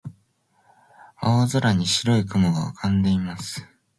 青空に白い雲が浮かんでいます。